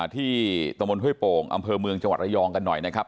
ที่ตะมนต์ห้วยโป่งอำเภอเมืองจังหวัดระยองกันหน่อยนะครับ